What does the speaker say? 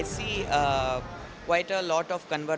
saya melihat banyak